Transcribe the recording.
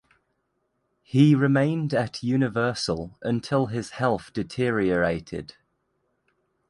He remained at Universal until his health deteriorated.